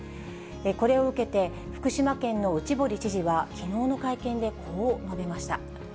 これを受けて、福島県の内堀知事は、きのうの会見でこう述べました。